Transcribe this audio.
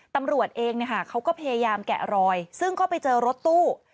ตำรวจเองเขาก็พยายามแกะรอยซึ่งก็ไปเจอรถตู้